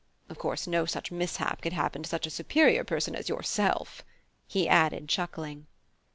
Of course no such mishap could happen to such a superior person as yourself," he added, chuckling.